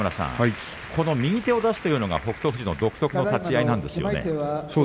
この右手を出すというのが北勝富士の独特の立ち合いですね。